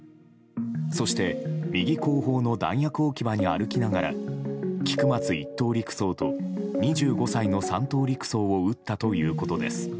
そして、右後方の弾薬置き場に歩きながら菊松１等陸曹と２５歳の３等陸曹を撃ったということです。